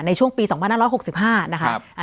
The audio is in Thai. ในช่วงปีสองพันห้าร้อยหกสิบห้านะคะครับอ่า